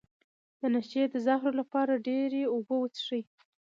د نشې د زهرو لپاره ډیرې اوبه وڅښئ